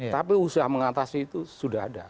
tapi usaha mengatasi itu sudah ada